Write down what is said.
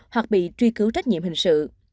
hoặc bị truy cứu trách nhiệm hình sự